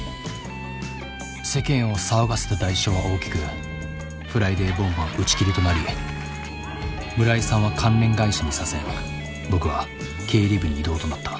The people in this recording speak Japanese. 世間を騒がせた代償は大きく「フライデーボンボン」は打ち切りとなり村井さんは関連会社に左遷僕は経理部に異動となった。